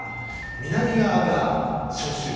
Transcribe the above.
南側が初秋。